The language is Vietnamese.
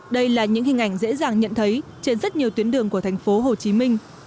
đây là những hình ảnh dễ dàng nhận thấy trên rất nhiều tuyến đường của thành phố hồ chí minh